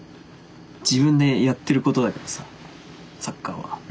自分でやってることだからさサッカーは。